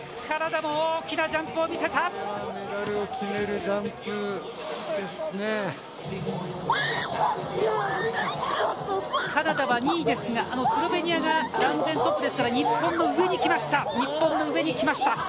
カナダは２位ですがスロベニアが断然トップですから日本の上にきました。